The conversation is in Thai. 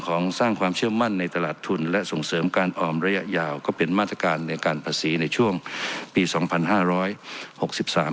ออมระยะยาวก็เป็นมาตรการในการภาษีในช่วงปีสองพันห้าร้อยหกสิบสาม